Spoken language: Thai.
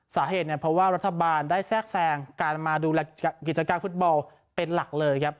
สาเหตุเนี่ยเพราะว่ารัฐบาลได้แทรกแทรงการมาดูแลกิจการฟุตบอลเป็นหลักเลยครับ